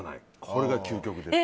これが究極です。